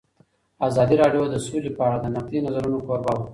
ازادي راډیو د سوله په اړه د نقدي نظرونو کوربه وه.